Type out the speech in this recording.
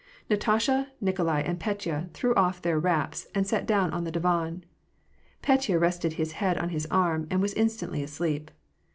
Natasha, Nikolai, and Fetya threw off their wraps, and sat down on the divan. Petya rested his head on his arm, and was instantly asleep.